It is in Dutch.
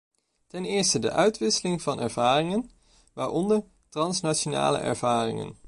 Ten eerste de uitwisseling van ervaringen, waaronder transnationale ervaringen.